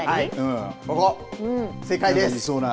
ここ、正解です。